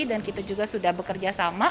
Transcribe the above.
dan kita juga sudah bekerja sama